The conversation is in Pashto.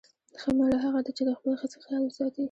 ښه میړه هغه دی چې د خپلې ښځې خیال وساتي.